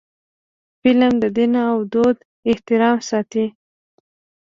فلم د دین او دود احترام ساتي